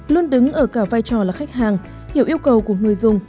luôn đứng ở cả vai trò là khách hàng hiểu yêu cầu của người dùng